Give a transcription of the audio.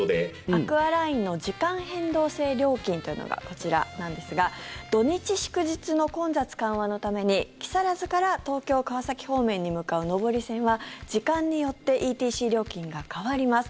アクアラインの時間変動制料金というのがこちらなんですが土日祝日の混雑緩和のために木更津から東京・川崎方面に向かう上り線は時間によってＥＴＣ料金が変わります。